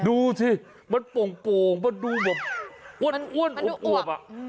ดูสิมันโป่งมันดูแบบอ้วนอวบอ่ะ